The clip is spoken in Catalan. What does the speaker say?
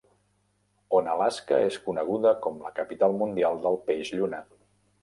Onalaska és coneguda com la "capital mundial del peix lluna".